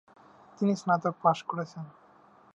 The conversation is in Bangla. তিনি স্নাতক পাশ করেছেন।